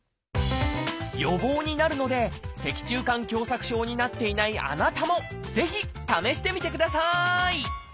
予防になるので脊柱管狭窄症になっていないあなたもぜひ試してみてください！